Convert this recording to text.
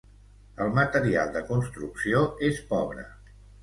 El material de construcció és pobre.